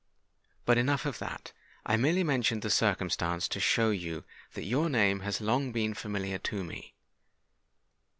But enough of that: I merely mentioned the circumstance to show you that your name has long been familiar to me.